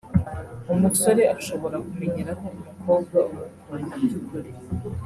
umusore ashobora kumenyeraho umukobwa umukunda by’ukuri